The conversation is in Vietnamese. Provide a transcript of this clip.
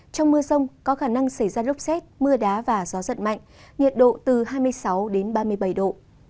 trong mưa rông có khả năng xảy ra lốc xét mưa đá và gió giật mạnh nhiệt độ từ hai mươi sáu đến ba mươi bảy độ